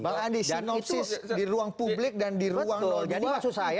bang andi sinopsis di ruang publik dan di ruang